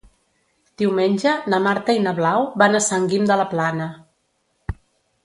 Diumenge na Marta i na Blau van a Sant Guim de la Plana.